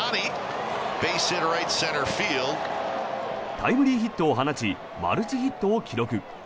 タイムリーヒットを放ちマルチヒットを記録。